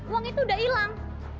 uang itu udah ilang